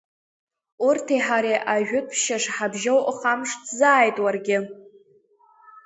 Урҭи ҳареи ажәытәшьа шҳабжьоу ухамшҭзааит уаргьы.